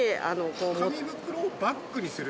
紙袋をバッグにする？